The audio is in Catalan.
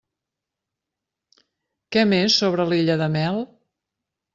Què més sobre l'illa de Mel?